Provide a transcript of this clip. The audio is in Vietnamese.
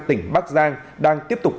tỉnh bắc giang đang tiếp tục